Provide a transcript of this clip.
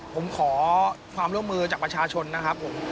ผมขอความร่วมมือจากประชาชนนะครับผม